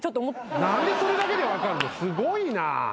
すごいな。